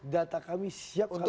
data kami siap kami tunjukkan